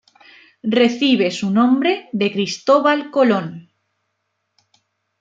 Recibe su nombre de Cristóbal Colón.